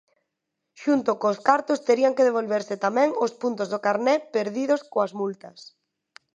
Xunto cos cartos terían que devolverse tamén os puntos do carné perdidos coas multas.